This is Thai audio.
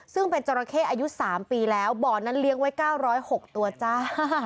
ซึ่งเป็นจราเข้อายุ๓ปีแล้วบ่อนั้นเลี้ยงไว้๙๐๖ตัวจ้า